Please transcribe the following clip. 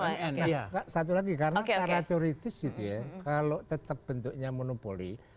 nah satu lagi karena secara teori itu sih dia kalau tetap bentuknya monopoli